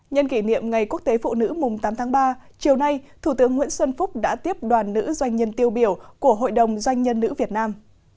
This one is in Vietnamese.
nhân kỷ niệm ngày quốc tế phụ nữ mùng tám tháng ba chiều nay thủ tướng nguyễn xuân phúc đã tiếp đoàn nữ doanh nhân tiêu biểu của hội đồng doanh nhân nữ việt nam